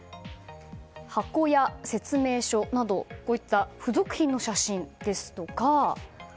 箱や説明書など付属品の写真ですとか